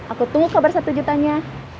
aku tunggu kabar satu jutanya